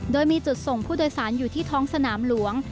โดยมีจุดส่งผู้โดยสารอยู่ที่ท้องสนามหลวง